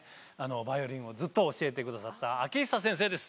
バイオリンをずっと教えてくださった秋久先生です